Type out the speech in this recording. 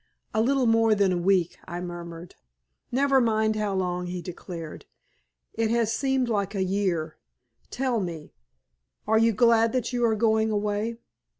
"A little more than a week," I murmured. "Never mind how long," he declared. "It has seemed like a year. Tell me are you glad that you are going away?"